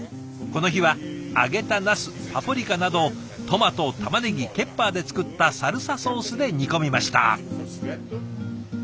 この日は揚げたナスパプリカなどをトマトタマネギケッパーで作ったサルサソースで煮込みました。